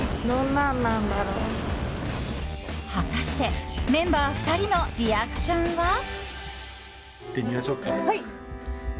果たして、メンバー２人のリアクションは？